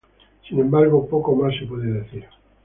Sin embargo, poco más se puede decir.